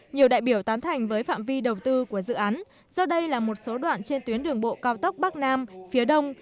nhiều đại biểu tán thành với phạm vi đầu tư của dự án do đây là một số đoạn trên tuyến đường bộ cao tốc bắc nam phía đông